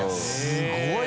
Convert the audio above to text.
すごい！